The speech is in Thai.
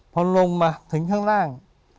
พอลงมาถึงข้างล่าง